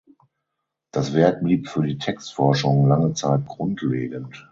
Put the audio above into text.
Das Werk blieb für die Textforschung lange Zeit grundlegend.